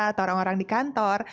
atau orang orang di kantor